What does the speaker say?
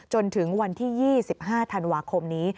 จนถึงวันที่๒๕ธันวาคมนี้